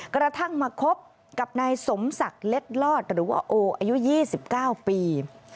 กระทั่งมาคบกับนายสมศักดิ์เล็ดลอดหรือว่าโออายุ๒๙ปี